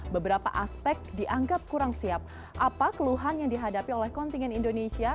beberapa aspek dianggap kurang siap apa keluhan yang dihadapi oleh kontingen indonesia